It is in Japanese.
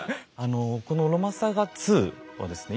この「ロマサガ２」はですね